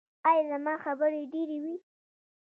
ایا زما خبرې ډیرې وې؟